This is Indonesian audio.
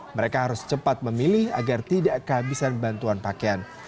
mereka harus cepat memilih agar tidak kehabisan bantuan pakaian